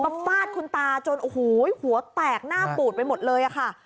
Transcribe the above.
ประฟาดคุณตาจนหัวแตกหน้าปูดไปหมดเลยค่ะ